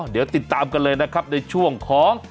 เดี๋ยวติดตามกันเลยนะครับในช่วงของ